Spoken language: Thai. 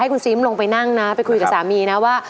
คุณซิมลงไปนั่งนะไปคุยกับสามีนะว่า